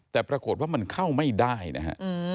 แต่ปรากฏว่ามันเข้าไม่ได้นะฮะ